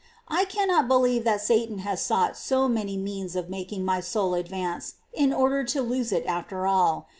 I can not believe that Satan has sought so many means of making my soul advance, in order to lose it after all.